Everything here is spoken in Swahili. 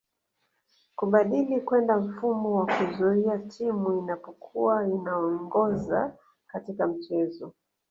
Kubadili kwenda mfumo wa kuzuia Timu inapokua inaongoza katika mchezo